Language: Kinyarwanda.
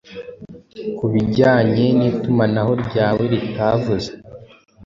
kubijyanye nitumanaho ryawe ritavuze